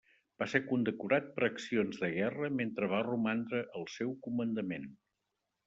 Va ser condecorat per accions de guerra mentre va romandre al seu comandament.